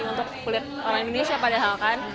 untuk kulit orang indonesia padahal kan